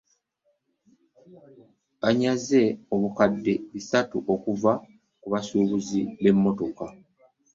Banyaze bukadde bisatu okuva ku basuubuzi b'emmotoka.